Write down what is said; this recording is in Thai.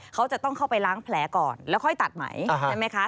เขาจะต้องเข้าไปล้างแผลก่อนแล้วค่อยตัดไหมใช่ไหมคะ